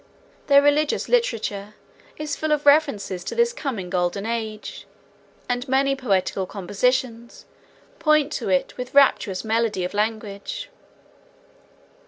Their religious literature is full of references to this coming golden age, and many poetical compositions point to it with rapturous melody of language.